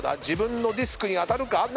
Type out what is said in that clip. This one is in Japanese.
自分のディスクに当たるか？